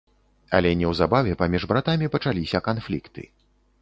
Але неўзабаве паміж братамі пачаліся канфлікты.